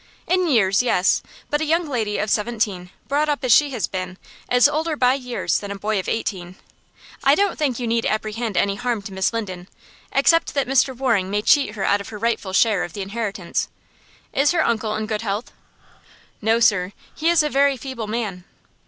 "In years, yes. But a young lady of seventeen, brought up as she has been, is older by years than a boy of eighteen. I don't think you need apprehend any harm to Miss Linden, except that Mr. Waring may cheat her out of her rightful share of the inheritance. Is her uncle in good health?" "No, sir; he is a very feeble man."